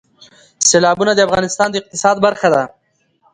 سیلابونه د افغانستان د اقتصاد برخه ده.